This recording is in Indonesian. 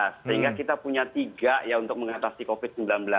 sehingga kita punya tiga ya untuk mengatasi covid sembilan belas